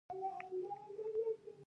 د غزني په خوږیاڼو کې د سرو زرو نښې شته.